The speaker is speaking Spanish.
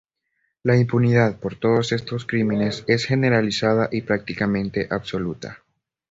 La impunidad por todos estos crímenes es generalizada y prácticamente absoluta.